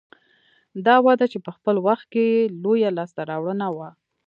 دا وده چې په خپل وخت کې لویه لاسته راوړنه وه